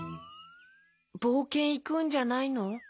ぼうけんいくんじゃないの？